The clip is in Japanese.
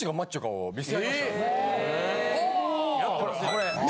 ・これ。